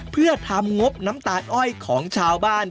เพื่อทำงบน้ำตาลอ้อยของชาวบ้าน